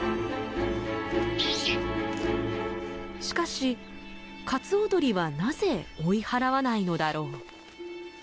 しかしカツオドリはなぜ追い払わないのだろう？